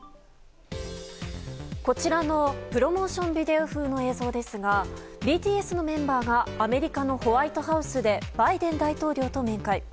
こちらのプロモーションビデオ風の映像ＢＴＳのメンバーがアメリカのホワイトハウスでバイデン大統領と面会。